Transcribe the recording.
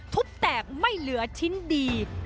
ทุบแตกไม่เหลือชิ้นดี